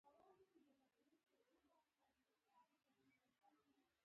پاچا د هيواد ښونيرو او روزنيزو چارو ته پام نه کوي.